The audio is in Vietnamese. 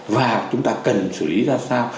và chúng ta cần xử lý ra sao